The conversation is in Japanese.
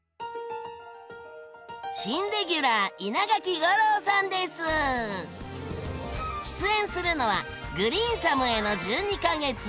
新レギュラー出演するのは「グリーンサムへの１２か月」。